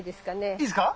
いいですか？